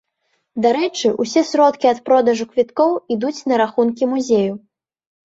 Дарэчы, усе сродкі ад продажу квіткоў ідуць на рахункі музею.